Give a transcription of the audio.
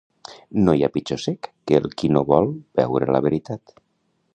No hi ha pitjor cec que el qui no vol veure la veritat.